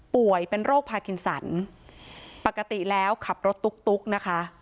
ป่วยเป็นโรคพากินสันปกติแล้วขับรถตุ๊กนะคะ